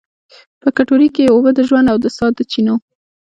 په کټورې کې یې اوبه، د ژوند او سا د چېنو